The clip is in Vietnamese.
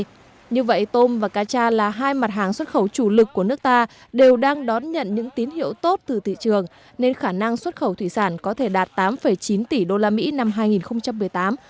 như vậy tôm và cá cha là hai mặt hàng xuất khẩu chủ lực của nước ta đều đang đón nhận những tín hiệu tốt từ thị trường nên khả năng xuất khẩu thủy sản có thể đạt tám chín tỷ usd năm hai nghìn một mươi tám